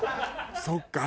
そっか。